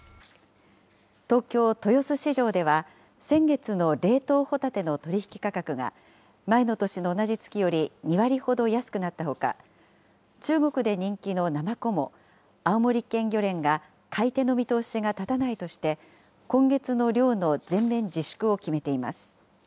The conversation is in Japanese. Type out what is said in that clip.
東京・豊洲市場では、先月の冷凍ホタテの取り引き価格が、前の年の同じ月より２割ほど安くなったほか、中国で人気のナマコも、青森県漁連が買い手の見通しが立たないとして、今月の漁の全面自粛を決めています。